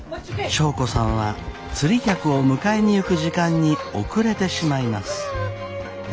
祥子さんは釣り客を迎えに行く時間に遅れてしまいます。